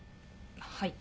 はい。